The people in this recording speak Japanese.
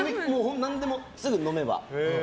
何でもすぐ、のめば。